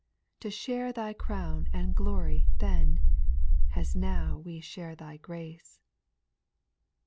To share thy crown and glory then, As now we share Thy grace.